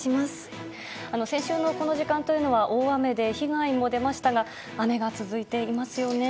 先週のこの時間は大雨で被害も出ましたが雨が続いていますよね。